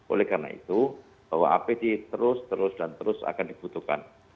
oleh karena itu bahwa apd terus terus dan terus akan dibutuhkan